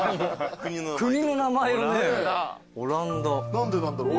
何でなんだろう。